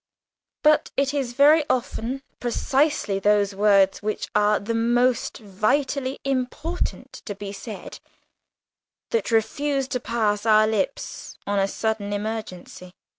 But it is very often precisely those words which are the most vitally important to be said that refuse to pass our lips on a sudden emergency.